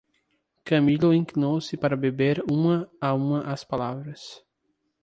Camilo inclinou-se para beber uma a uma as palavras.